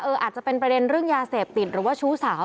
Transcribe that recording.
อาจจะเป็นประเด็นเรื่องยาเสพติดหรือว่าชู้สาว